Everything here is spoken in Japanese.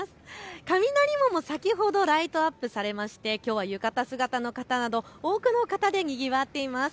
雷門も先ほどライトアップされましてきょうは浴衣姿の方など多くの方でにぎわっています。